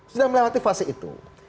sudah melewati fase itu